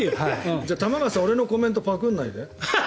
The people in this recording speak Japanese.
じゃあ玉川さん俺のコメント、パクらないで。